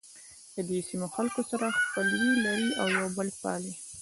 ددې سیمو خلک سره خپلوي لري او یو بل پالي.